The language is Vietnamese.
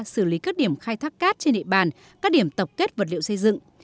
xử lý các điểm khai thác cát trên địa bàn các điểm tập kết vật liệu xây dựng